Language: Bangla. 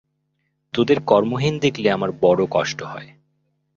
তোদের কর্মহীন দেখলে আমার বড় কষ্ট হয়।